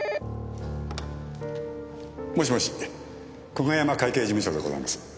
もしもし久我山会計事務所でございます。